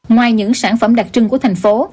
ngoài những sản phẩm đặc trưng của thành phố